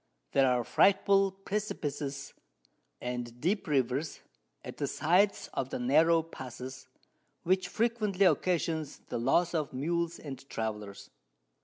There are frightful Precipices, and deep Rivers, at the sides of the narrow Passes, which frequently occasions the Loss of Mules and Travellers.